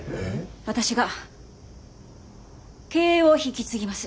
私が経営を引き継ぎます。